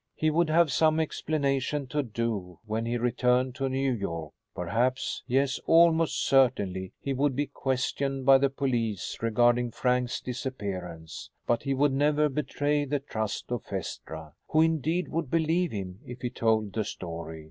He would have some explaining to do when he returned to New York. Perhaps yes, almost certainly, he would be questioned by the police regarding Frank's disappearance. But he would never betray the trust of Phaestra. Who indeed would believe him if he told the story?